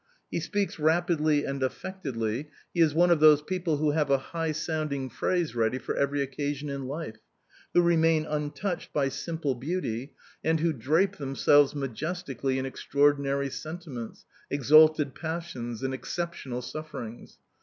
He speaks rapidly and affectedly; he is one of those people who have a high sounding phrase ready for every occasion in life, who remain untouched by simple beauty, and who drape themselves majestically in extraordinary sentiments, exalted passions and exceptional sufferings.